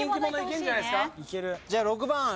じゃあ６番。